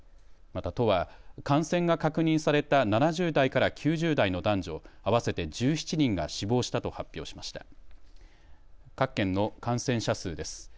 また都は感染が確認された７０代から９０代の男女合わせて１７人が死亡したと発表しました。